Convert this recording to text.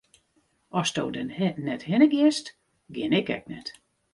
Asto der net hinne giest, gean ik ek net.